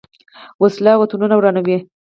وسله وطنونه ورانوي